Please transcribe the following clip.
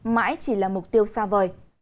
mãi chỉ là mục tiêu xa vời